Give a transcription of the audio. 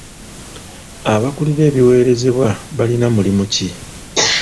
Abakulira ebiweerezebwa balina mulimu ki?